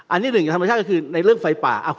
อันนี้หนึ่งกับธรรมชาติก็คือในเรื่องไฟป่า